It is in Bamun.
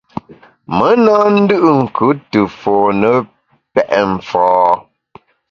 Me na ndù’nkùt te fone pèt mfâ.